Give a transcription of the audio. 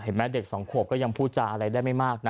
แม้เด็กสองขวบก็ยังพูดจาอะไรได้ไม่มากนะ